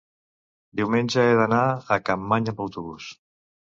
diumenge he d'anar a Capmany amb autobús.